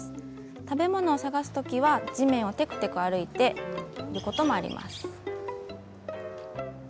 食べ物を探すときは地面をてくてく歩いてることもあります。